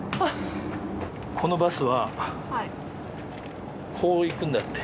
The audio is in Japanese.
このバスはこう行くんだって。